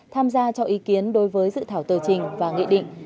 tham gia cho ý kiến đối với dự thảo tờ trình và nghị định